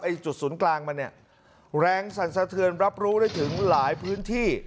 จุดศูนย์กลางมันเนี่ยแรงสั่นสะเทือนรับรู้ได้ถึงหลายพื้นที่